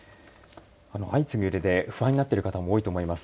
相次ぐ揺れで不安になってる方も多いと思います。